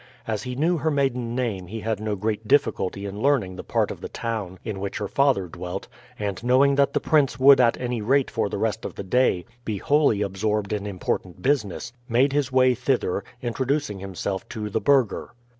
As he knew her maiden name he had no great difficulty in learning the part of the town in which her father dwelt, and knowing that the prince would at any rate for the rest of the day be wholly absorbed in important business, made his way thither, introducing himself to the burgher.